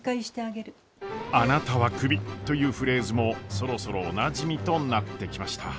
「あなたはクビ」というフレーズもそろそろおなじみとなってきました。